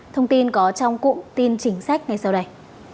thông tin có trong cụm tin chính sách ngay sau đây